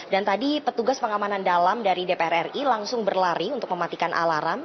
dan tadi petugas pengamanan dalam dari dpr ri langsung berlari untuk mematikan alarm